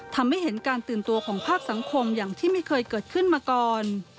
ทำให้เห็นการตื่นตัวของภาคสังคมอย่างที่ไม่เคยเกิดขึ้นมาก่อน